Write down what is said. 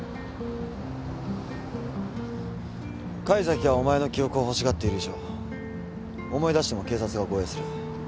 甲斐崎がお前の記憶を欲しがっている以上思い出しても警察が護衛する。